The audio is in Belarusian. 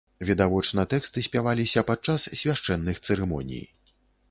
Відавочна, тэксты спяваліся падчас свяшчэнных цырымоній.